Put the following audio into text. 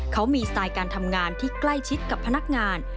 เขามีสไตล์การทำงานที่ใกล้ชิดกับพนักงาน